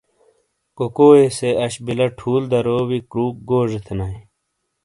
کو کو ئیے سے اش بلہ ٹھُول درو وی کُروک گوزے تھینائیے۔